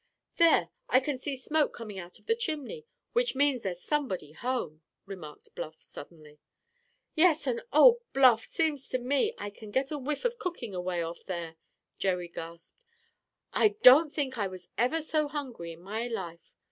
"There, I can see smoke coming up out of the chimney, which means there's somebody home!" remarked Bluff suddenly. "Yes, and, oh, Bluff, seems to me I can get a whiff of cooking away off here!" Jerry gasped. "I don't think I was ever so hungry in my life.